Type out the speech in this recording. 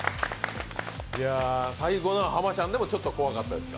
最後のは濱ちゃんでも怖かったですか？